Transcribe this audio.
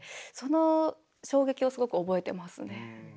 その衝撃をすごく覚えてますね。